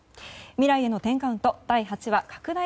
「未来への１０カウント」第８話拡大